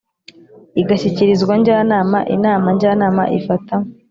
igashyikirizwa Njyanama Inama Njyanama ifata